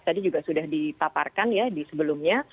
tadi juga sudah dipaparkan ya di sebelumnya